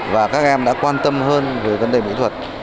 và các em đã quan tâm hơn về vấn đề mỹ thuật